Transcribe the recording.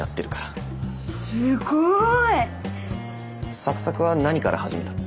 すごい！サクサクは何から始めたの？